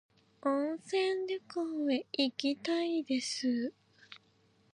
温泉旅行へ行きたいです